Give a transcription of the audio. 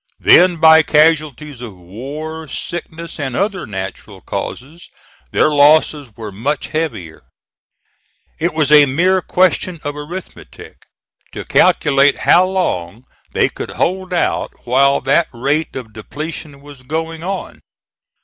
Then by casualties of war, sickness, and other natural causes, their losses were much heavier. It was a mere question of arithmetic to calculate how long they could hold out while that rate of depletion was going on.